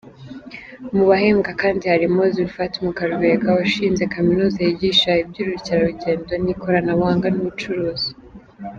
Mu bahembwe kandi harimo Zulfat Mukarubega washinze Kaminuza yigisha iby’ubukerarugendo, ikoranabuhanga n’ubucuruzi.